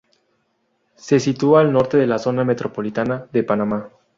Se sitúa al norte de la zona metropolitana de Panamá.